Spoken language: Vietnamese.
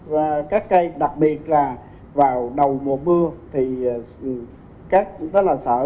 và các cây đặc biệt là vào đầu mùa mưa thì các đó là sở